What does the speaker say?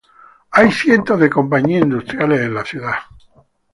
Hay cientos de compañías industriales en la ciudad.